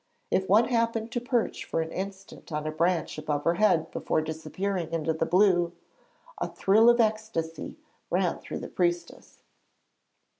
If one happened to perch for an instant on a branch above her head before disappearing into the blue, a thrill of ecstasy ran through the priestess.